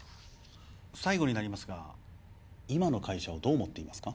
最後になりますが今の会社をどう思っていますか？